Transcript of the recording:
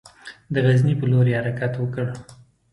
د غزني پر لور یې حرکت وکړ.